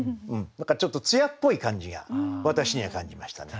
ちょっと艶っぽい感じが私には感じましたね。